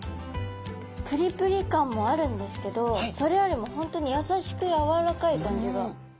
プリプリ感もあるんですけどそれよりも本当にやさしくやわらかい感じが。